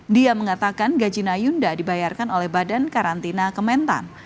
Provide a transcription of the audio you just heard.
dia mengatakan gaji nayunda dibayarkan oleh badan karantina kementan